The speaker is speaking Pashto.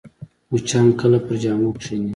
مچان کله پر جامو کښېني